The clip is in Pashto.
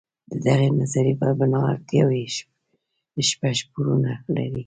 د دغې نظریې پر بنا اړتیاوې شپږ پوړونه لري.